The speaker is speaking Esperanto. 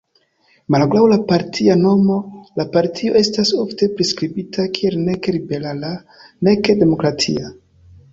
Malgraŭ la partia nomo, la partio estas ofte priskribita kiel "nek liberala nek demokratia.